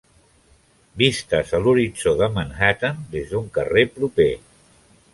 Vistes a l'horitzó de Manhattan des d'un carrer proper.